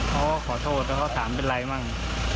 เค้าก็ขอโทษแล้วเค้าถามเป็นไรบ้าง